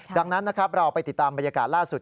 ดังนั้นนะครับเราไปติดตามบรรยากาศล่าสุด